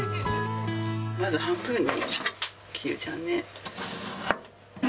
まず半分に切るじゃんね。